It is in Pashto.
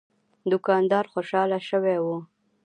دوکاندار خوشاله شوی و.